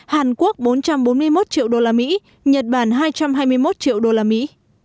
hàn quốc bốn trăm bốn mươi một triệu đô la mỹ nhật bản hai trăm hai mươi một triệu đô la mỹ